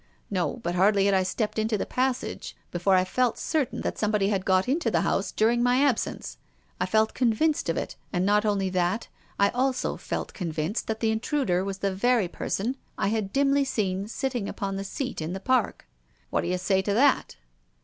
" No, but hardly had I stepped into the pas sage before I felt certain that somebody had got into the house during my absence. I felt con vinced of it, and not only that, I also felt con vinced that the intruder was the very person I had dimly seen sitting upon the seat in the Park, What d'you say to that?